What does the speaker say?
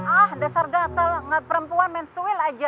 ah dasar gatel nggak perempuan mensuil aja